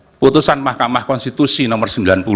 keputusan mahkamah konstitusi nomor sembilan puluh